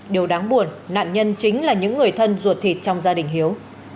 điều đáng buồn nạn nhân chính là những người thân ruột thịt trong gia đình hiếu